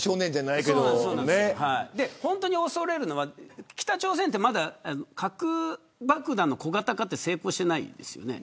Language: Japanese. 本当に恐れるのは北朝鮮ってまだ核爆弾の小型化は成功してないですよね。